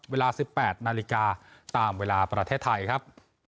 เวลา๑๘นาฬิกาตามเวลาประเทศไทยครับ